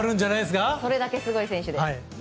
それだけすごい選手です。